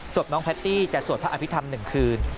ศพน้องแพตตี้จะสวดพระอภิษฐรรม๑คืน